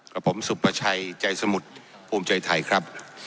กับผมสุประชัยใจสมุทรภูมิใจไทยครับ